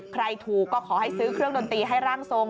ใครถูกก็ขอให้ซื้อเครื่องดนตรีให้ร่างทรง